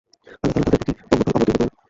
আল্লাহ তাআলা তাদের প্রতি পঙ্গপাল অবতীর্ণ করেন।